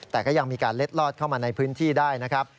แต่ก็ยังมีการเล็ดลอดเข้ามาในพื้นที่ได้นะครับ